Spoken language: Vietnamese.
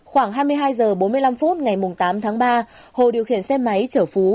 khoảng hai mươi hai h bốn mươi năm phút ngày tám tháng ba hồ điều khiển xe máy chở phú